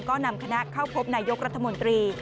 ก็นำคณะเข้าพบนายกรัฐมนตรี